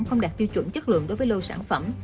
không đạt tiêu chuẩn chất lượng đối với lô sản phẩm